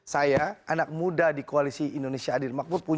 saya anak muda di koalisi indonesia adil makmur